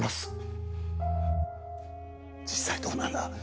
実際どうなんだ！？